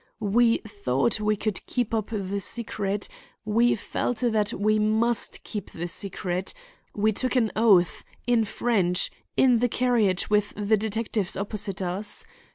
We thought we could keep the secret—we felt that we must keep the secret—we took an oath—in French—in the carriage with the detectives opposite us.